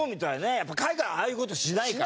やっぱ海外ああいう事しないから。